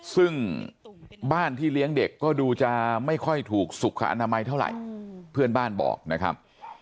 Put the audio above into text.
ซึ่งบ้านที่เลี้ยงเด็กก็ดูจะไม่ค่อยถูกสุขอนามัยเท่าไหร่เพื่อนบ้านบอกนะครับ